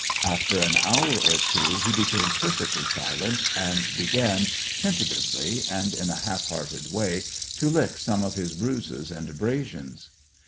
After an hour or two, he became perfectly silent, and began, tentatively and in a half hearted way, to lick some of his bruises and abrasions.